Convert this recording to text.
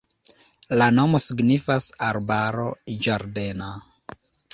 La nomo signifas arbaro-ĝardena.